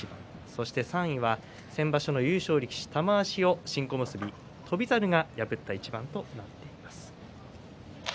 そして３位が先場所の優勝力士玉鷲を新小結翔猿が破った一番となっています。